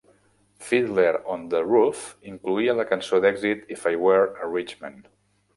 "Fiddler on the Roof" incloïa la cançó d'èxit "If I Were a Rich Man".